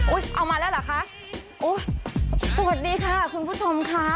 เอามาแล้วเหรอคะอุ้ยสวัสดีค่ะคุณผู้ชมค่ะ